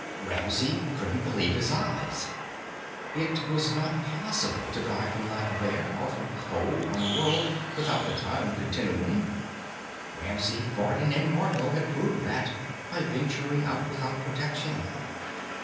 Ramsey couldn't believe his eyes. It was not possible to die from lack of air or from cold on a world without the time continuum. Ramsey, Vardin and Margot had proved that by venturing out without protection.